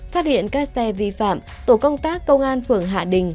phát hiện các xe vi phạm tổ công tác công an phường hạ đình